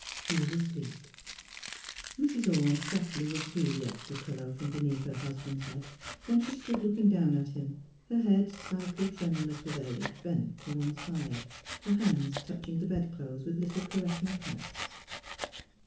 He was asleep. Mrs. Orne softly withdrew the extra pillow from beneath her husband's head. Then she stood looking down at him, her head, slightly tremulous with age, bent to one side ; her hands touching the bedclothes with little caressing pats.